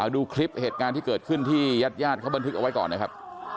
ดูคลิปเหตุการณ์ที่เกิดขึ้นที่ญาติญาติเขาบันทึกเอาไว้ก่อนนะครับ